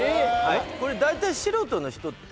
これ大体素人の人って。